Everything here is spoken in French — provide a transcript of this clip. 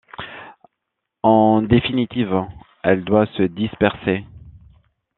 En définitive, elle doit se disperser.